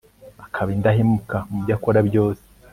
akaba indahemuka mu byo akora byose